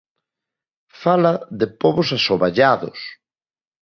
Fala de pobos asoballados.